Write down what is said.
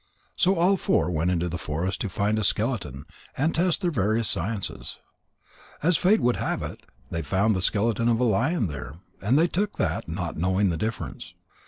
So all four went into the forest to find a skeleton and test their various sciences. As fate would have it, they found the skeleton of a lion there. And they took that, not knowing the difference.